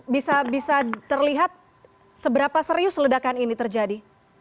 bisa terlihat seberapa serius ledakan ini terjadi